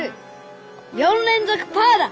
４連続「パー」だッ！